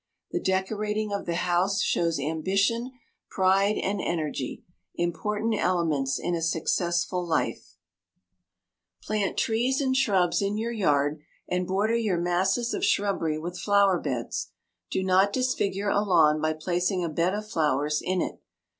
The decorating of the home shows ambition, pride, and energy important elements in a successful life. [Illustration: FIG. 96. AN EASY WAY TO BEAUTIFY THE HOME] Plant trees and shrubs in your yard and border your masses of shrubbery with flower beds. Do not disfigure a lawn by placing a bed of flowers in it.